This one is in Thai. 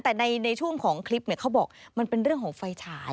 แต่ในช่วงของคลิปเขาบอกมันเป็นเรื่องของไฟฉาย